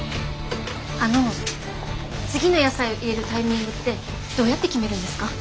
あの次の野菜を入れるタイミングってどうやって決めるんですか？